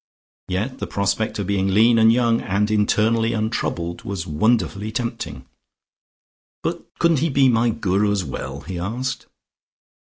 Yet the prospect of being lean and young and internally untroubled was wonderfully tempting. "But couldn't he be my Guru as well?" he asked.